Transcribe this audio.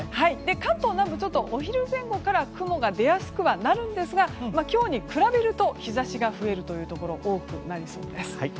関東南部、お昼前後から雲が出やすくはなるんですが今日に比べると日差しが増えるところが多くなりそうです。